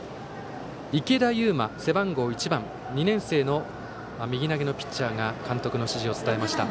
池邉由伸、背番号１番２年生の右投げのピッチャーが監督の指示を伝えました。